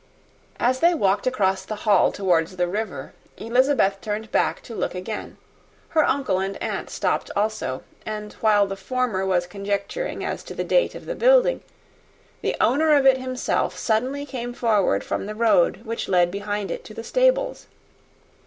As they walked across the lawn towards the river, Elizabeth turned back to look again; her uncle and aunt stopped also; and while the former was conjecturing as to the date of the building, the owner of it himself suddenly came forward from the road which led behind it to the stables.